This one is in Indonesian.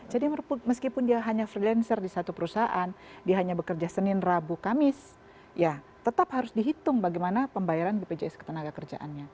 jadi meskipun dia hanya freelancer di satu perusahaan dia hanya bekerja senin rabu kamis ya tetap harus dihitung bagaimana pembayaran bpjs ketenaga kerjaannya